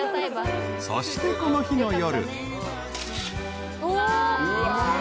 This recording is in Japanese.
［そしてこの日の夜］